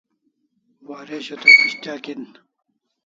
Waresho te pis'tyak en dai